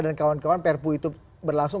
kawan kawan perpu itu berlangsung